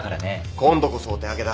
今度こそお手上げだ。